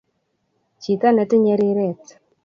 chito netinye riret